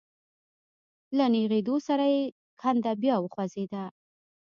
له نېغېدو سره يې کنده بيا وخوځېده.